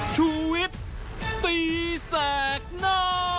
ชุวิตตีแสดหน้า